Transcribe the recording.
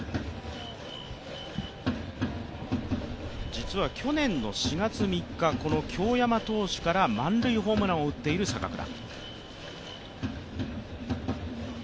実は去年の４月３日、この京山投手から満塁ホームランを打っている坂倉。